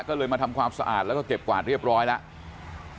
ก็เลยมาทำความสะอาดแล้วก็เก็บกวาดเรียบร้อยแล้ว